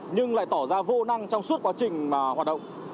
nhưng lại tỏ ra vô năng trong suốt quá trình mà hoạt động